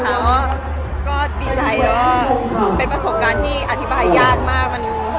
แต่ว่าก็ดีใจแล้วก็เป็นประสบการณ์ที่อธิบายยากมาก